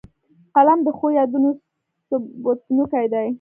قلم د ښو یادونو ثبتوونکی دی